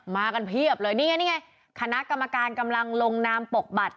มากันเพียบเลยนี่ไงนี่ไงคณะกรรมการกำลังลงนามปกบัตร